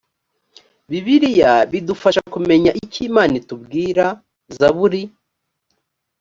bibiliya bidufasha kumenya icyo imana itubwira zaburi